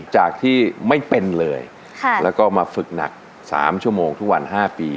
จากที่ไม่เป็นเลยแล้วก็มาฝึกหนัก๓ชั่วโมงทุกวัน๕ปี